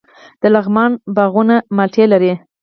د لغمان باغونه مالټې لري.